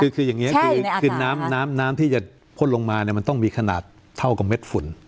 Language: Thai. คือคืออย่างเงี้ยแช่อยู่ในอาหารค่ะคือน้ำน้ำน้ำน้ำที่จะพ่นลงมาเนี่ยมันต้องมีขนาดเท่ากับเม็ดฝุ่น